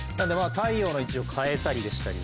太陽の位置を変えたりでしたり。